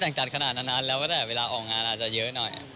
แต่งจัดขนาดนั้นแล้วก็แต่เวลาออกงานอาจจะเยอะหน่อย